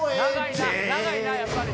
長いなやっぱり。